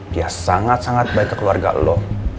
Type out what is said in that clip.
dia sangat sangat baik ke keluarga lo